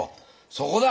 そこだ！